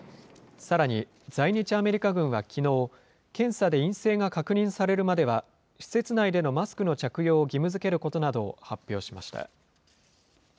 さらに在日アメリカ軍はきのう、検査で陰性が確認されるまでは施設内でのマスクの着用を義務づけることなどを発表しました。